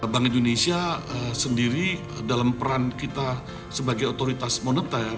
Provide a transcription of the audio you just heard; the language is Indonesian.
bank indonesia sendiri dalam peran kita sebagai otoritas moneter